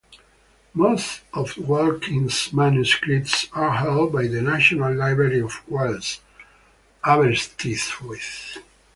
Most of Watkins's manuscripts are held by the National Library of Wales, Aberystwyth.